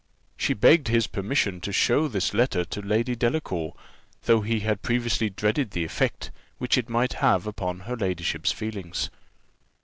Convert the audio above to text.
She begged his permission to show this letter to Lady Delacour, though he had previously dreaded the effect which it might have upon her ladyship's feelings.